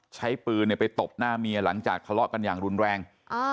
ใช้ปืนไปตบหน้าเมียหลังจากทะเลาะกันอย่างรุนแรง